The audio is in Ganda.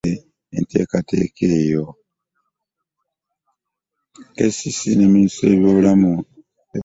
KCCA ne Minisitule y'ebyobulamu be baakoze enteekateeka eyo